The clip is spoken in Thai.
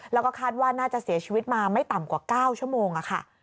แล้วก็คาดว่าน่าจะเสียชีวิตมาไม่ต่ำกว่า๙ชั่วโมงค่ะ